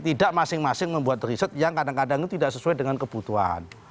tidak masing masing membuat riset yang kadang kadang itu tidak sesuai dengan kebutuhan